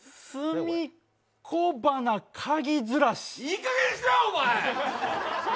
いいかげんにしろ、お前！